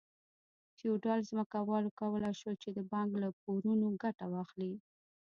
فیوډال ځمکوالو کولای شول چې د بانک له پورونو ګټه واخلي.